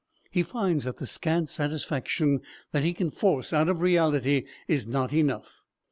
He finds that the scant satisfaction that he can force out of reality is not enough.